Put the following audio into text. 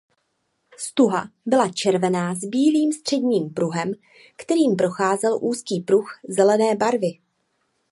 Stuha byla červená s bílým středním pruhem kterým procházel úzký pruh zelené barvy.